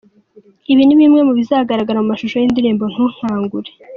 Ibi ni bimwe mu bizagaragara mu mashusho y'indirimbo "Ntunkangure".